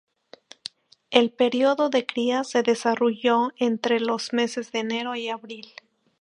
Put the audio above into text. El período de cría se desarrolla entre los meses de enero a abril.